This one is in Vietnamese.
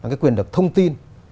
cái quyền được thông tin